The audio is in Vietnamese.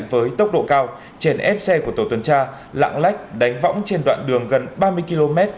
với tốc độ cao chèn ép xe của tổ tuần tra lạng lách đánh võng trên đoạn đường gần ba mươi km